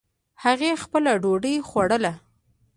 هغې خپله ډوډۍ خوړله